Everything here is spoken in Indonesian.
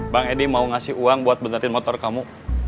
bang edi mau ngasih uang buat benetin motor kamu